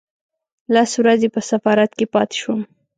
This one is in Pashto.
لس ورځې په سفارت کې پاتې شوم.